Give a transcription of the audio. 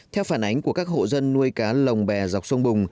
theo phản ánh của các hộ dân nuôi cá lồng bè dọc sông bồng